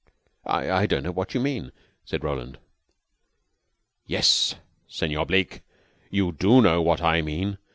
"I don't know what you mean," said Roland. "Yes, Senor Bleke, you do know what I mean.